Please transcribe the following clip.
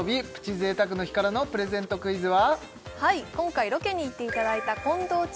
贅沢の日からのプレゼントクイズは？